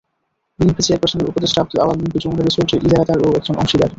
বিএনপির চেয়ারপারসনের উপদেষ্টা আবদুল আউয়াল মিন্টু যমুনা রিসোর্টের ইজারাদার ও একজন অংশীদার।